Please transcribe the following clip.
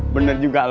bener juga lu